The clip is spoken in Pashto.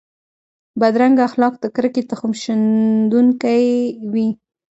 بدرنګه اخلاق د کرکې تخم شندونکي وي